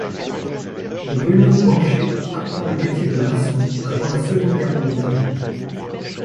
Bruno Bancher apprend le métier de maçon avant la Seconde Guerre mondiale.